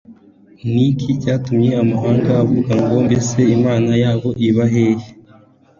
ni iki cyatuma amahanga avuga ngo mbese imana yabo iba hehe